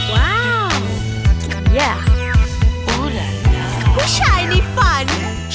ว้าวอูหละผู้ชายในฝัน